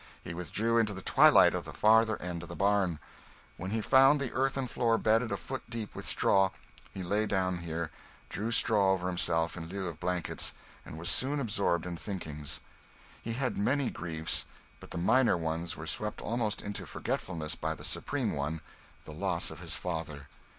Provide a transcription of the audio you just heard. He withdrew into the twilight of the farther end of the barn, where he found the earthen floor bedded a foot deep with straw. He lay down here, drew straw over himself in lieu of blankets, and was soon absorbed in thinking. He had many griefs, but the minor ones were swept almost into forgetfulness by the supreme one, the loss of his father.